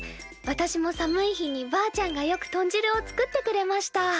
私も寒い日にばあちゃんがよく豚汁を作ってくれました。